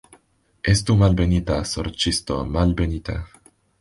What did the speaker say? Estu malbenita, sorĉisto, malbenita.